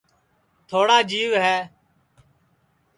تھواڑا جیو ہے